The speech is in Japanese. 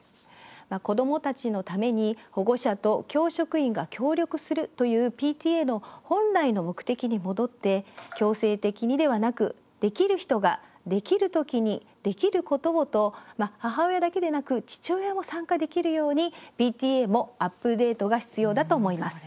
子どもたちのために保護者と教職員が協力するというＰＴＡの本来の目的に戻って強制的にではなくできる人が、できるときにできることをと、母親だけでなく父親も参加できるようにＰＴＡもアップデートが必要だと思います。